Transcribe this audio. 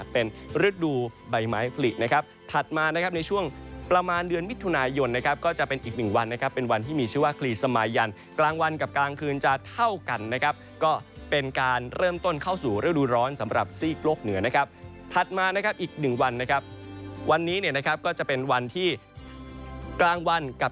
เป็นฤดูใบไม้ผลินะครับถัดมานะครับในช่วงประมาณเดือนมิถุนายนนะครับก็จะเป็นอีกหนึ่งวันนะครับเป็นวันที่มีชื่อว่าคลีสมายันกลางวันกับกลางคืนจะเท่ากันนะครับก็เป็นการเริ่มต้นเข้าสู่ฤดูร้อนสำหรับซีกโลกเหนือนะครับถัดมานะครับอีกหนึ่งวันนะครับวันนี้เนี่ยนะครับก็จะเป็นวันที่กลางวันกับ